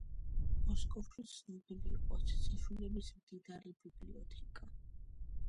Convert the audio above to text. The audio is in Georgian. მოსკოვში ცნობილი იყო ციციშვილების მდიდარი ბიბლიოთეკა.